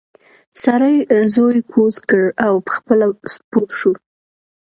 سړي زوی کوز کړ او پخپله سپور شو.